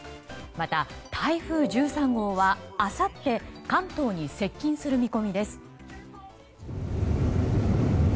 また台風１３号は、あさって関東に接近する見込みです。